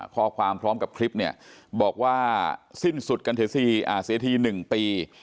ข้อความพร้อมกับคลิปเนี่ยบอกว่าสิ้นสุดกันเสียที๑ปี